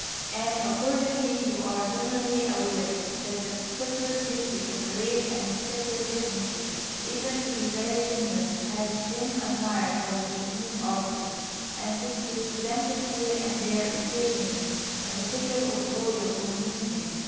And, accordingly, you are generally aware that the separate beauty of the race, and its separate dignity, even to be very generous has been admired by the Japanese artist, and is represented here and there occasionally, in the figure of warrior or mousme.